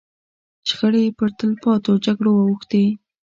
شخړې پر تلپاتو جګړو اوښتې.